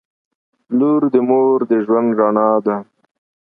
• لور د مور د ژوند رڼا ده.